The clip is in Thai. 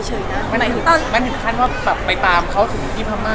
มันเหมือนขั้นว่าไปตามเขาถึงที่ภมามะ